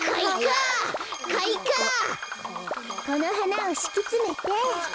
このはなをしきつめて。